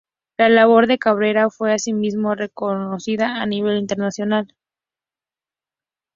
La labor de Cabrera fue asimismo reconocida a nivel internacional.